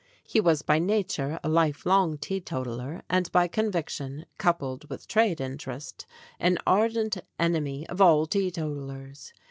He was by nature a lifelong teetotaler, and by conviction, coupled with trade interest, an ardent enemy of all teetotalers.